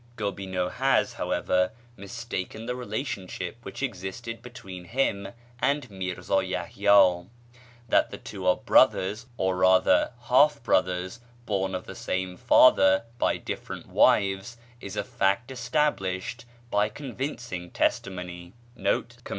Gobineau has, however, mistaken the relationship which existed between him and Mírzá Yahyá. That the two are brothers (or rather half brothers, born of the same father by different wives) is a fact established by convincing testimony3 1 See note 1 on p.